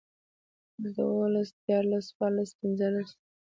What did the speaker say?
دولس ديارلس څوارلس پنځلس